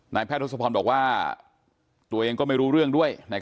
แพทย์ทศพรบอกว่าตัวเองก็ไม่รู้เรื่องด้วย